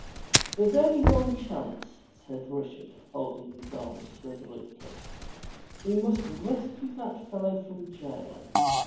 There's only one chance," said Richard folding his arms resolutely. "We must rescue that fellow from jail.